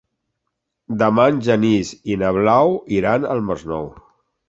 Demà en Genís i na Blau iran al Masnou.